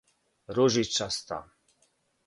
Ружичаста